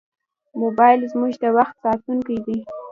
موبایل زموږ د وخت ساتونکی دی.